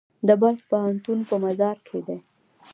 د بلخ پوهنتون په مزار کې دی